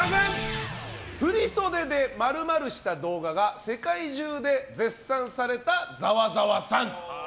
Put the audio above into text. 振袖で○○した動画が世界中で絶賛されたざわざわさん。